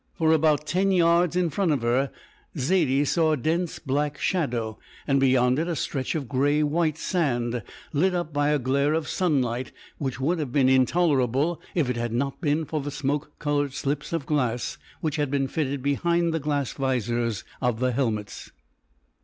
For about ten yards in front of her Zaidie saw a dense black shadow, and beyond it a stretch of grey white sand lit up by a glare of sunlight which would have been intolerable if it had not been for the smoke coloured slips of glass which had been fitted behind the glass visors of the helmets.